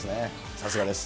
さすがです。